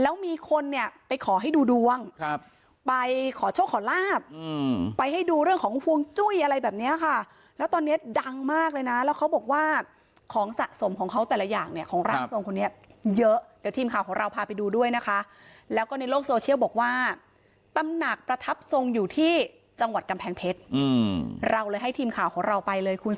แล้วมีคนเนี่ยไปขอให้ดูดวงครับไปขอโชคขอลาบไปให้ดูเรื่องของห่วงจุ้ยอะไรแบบเนี้ยค่ะแล้วตอนนี้ดังมากเลยนะแล้วเขาบอกว่าของสะสมของเขาแต่ละอย่างเนี่ยของร่างทรงคนนี้เยอะเดี๋ยวทีมข่าวของเราพาไปดูด้วยนะคะแล้วก็ในโลกโซเชียลบอกว่าตำหนักประทับทรงอยู่ที่จังหวัดกำแพงเพชรเราเลยให้ทีมข่าวของเราไปเลยคุณ